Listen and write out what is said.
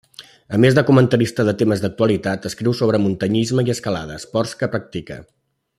A més de comentarista de temes d'actualitat, escriu sobre muntanyisme i escalada, esports que practica.